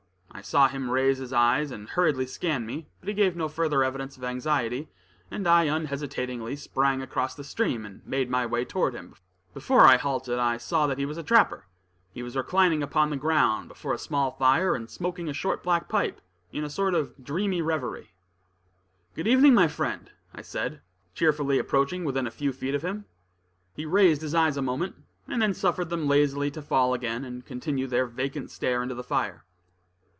I saw him raise his eyes and hurriedly scan me, but he gave no further evidence of anxiety, and I unhesitatingly sprang across the stream, and made my way toward him. Before I halted, I saw that he was a trapper. He was reclining upon the ground, before a small fire, and smoking a short black pipe, in a sort of dreamy reverie. "Good evening, my friend," I said, cheerfully, approaching within a few feet of him. He raised his eyes a moment, and then suffered them lazily to fall again, and continue their vacant stare into the fire.